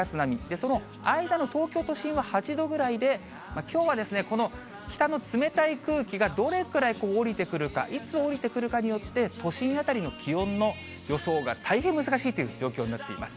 その間の東京都心は８度ぐらいで、きょうはですね、この北の冷たい空気がどれくらい下りてくるか、いつ下りてくるかによって、都心辺りの気温の予想が大変難しいという状況になっています。